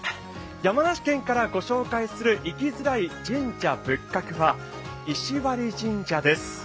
山梨県からご紹介する行きづらい神社仏閣は石割神社です。